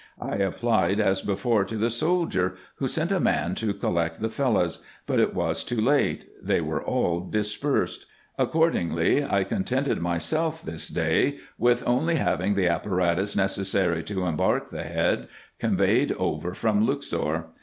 I applied as before to the soldier, who sent a man to collect the Fellahs; but it was too late: they were all dispersed. Accordingly, I contented myself this day with only having the apparatus, necessary to embark the head, conveyed over from Luxor.